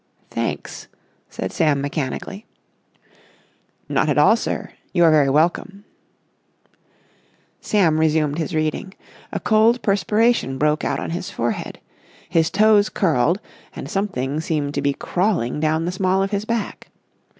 "Thanks," said Sam mechanically. "Not at all, sir. You are very welcome." Sam resumed his reading. A cold perspiration broke out on his forehead. His toes curled, and something seemed to be crawling down the small of his back.